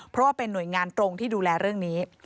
เพราะว่าเป็นหน่วยงานตรงที่ดูแลเรื่องนี้